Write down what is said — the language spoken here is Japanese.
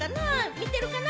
見てるかな？